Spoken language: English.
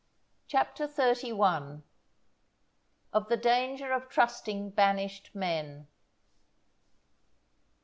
CHAPTER XXXI.—_Of the Danger of trusting banished Men.